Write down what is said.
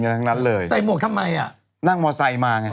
เงินทั้งนั้นเลยใส่หมวกทำไมอ่ะนั่งมอไซด์มาเนี่ย